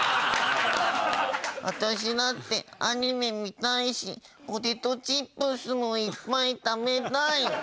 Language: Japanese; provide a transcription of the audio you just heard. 私だってアニメ見たいしポテトチップスもいっぱい食べたい。